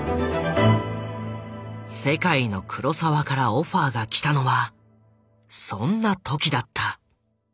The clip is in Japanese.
世界のクロサワからオファーがきたのはそんな時だった。